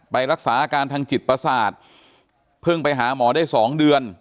ไปรักษาอาการทางจิตประสาทเพิ่งไปหาหมอได้๒เดือน